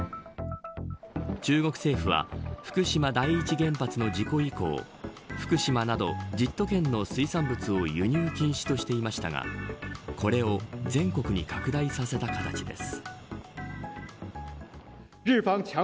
中国政府は福島第１原発の事故以降福島など１０都県の水産物を輸入禁止としていましたがこれを全国に拡大させた形です。